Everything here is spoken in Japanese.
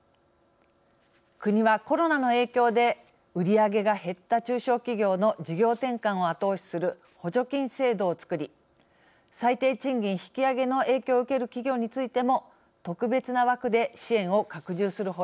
国はコロナの影響で売り上げが減った中小企業の事業転換を後押しする補助金制度をつくり最低賃金引き上げの影響を受ける企業についても特別な枠で支援を拡充する方針です。